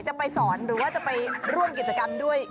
จะไปสอนหรือว่าจะไปร่วมกิจกรรมด้วย